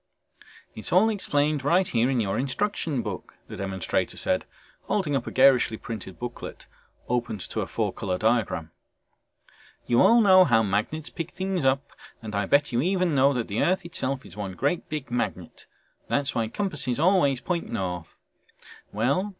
"It's all explained right here in your instruction book," the demonstrator said, holding up a garishly printed booklet opened to a four color diagram. "You all know how magnets pick up things and I bet you even know that the earth itself is one great big magnet that's why compasses always point north. Well